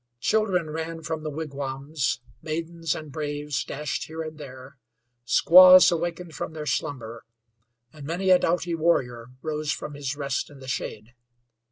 Children ran from the wigwams, maidens and braves dashed here and there, squaws awakened from their slumber, and many a doughty warrior rose from his rest in the shade.